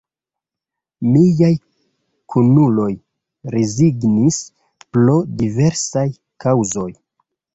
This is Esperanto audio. Miaj kunuloj rezignis pro diversaj kaŭzoj.